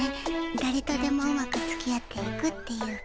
だれとでもうまくつきあっていくっていうか。